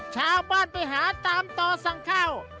ชาวบ้านไปหาตามต่อสั่งข้าว